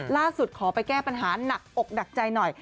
ขอไปแก้ปัญหาหนักอกหนักใจหน่อย